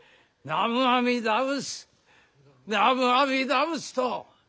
南無阿弥陀仏。